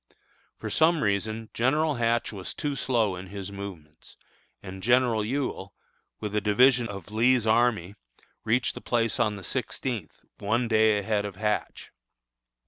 For some reason General Hatch was too slow in his movements, and General Ewell, with a division of Lee's army, reached the place on the sixteenth, one day ahead of Hatch.